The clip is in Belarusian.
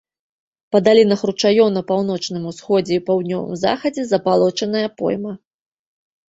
Па далінах ручаёў на паўночным усходзе і паўднёвым захадзе забалочаная пойма.